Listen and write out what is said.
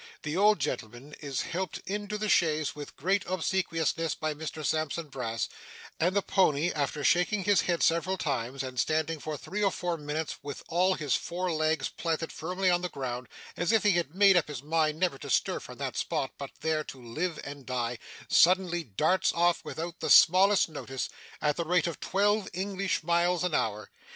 The old gentleman is helped into the chaise with great obsequiousness by Mr Sampson Brass; and the pony, after shaking his head several times, and standing for three or four minutes with all his four legs planted firmly on the ground, as if he had made up his mind never to stir from that spot, but there to live and die, suddenly darts off, without the smallest notice, at the rate of twelve English miles an hour.